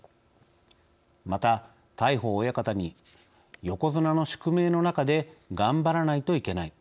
また大鵬親方に「横綱の宿命の中で頑張らないといけない。